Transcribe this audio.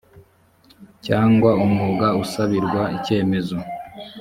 cyangwa umwuga usabirwa icyemezo